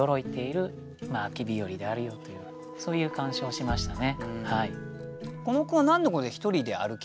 そういう鑑賞をしましたね。